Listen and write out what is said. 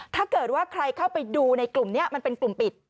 ถ้าเกิดว่าใครเข้าไปดูในกลุ่มนี้มันเป็นกลุ่มปิด